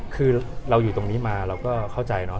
คือเราอยู่ตรงนี้มาเราก็เข้าใจเนาะ